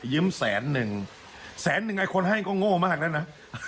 ยิ้มแสนหนึ่งแสนหนึ่งไอ้คนให้ก็โง่มากแล้วนะ